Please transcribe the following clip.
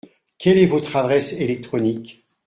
Quelle est votre adresse électronique ?